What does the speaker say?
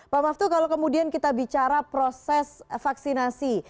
pak maftu kalau kemudian kita bicara proses vaksinasi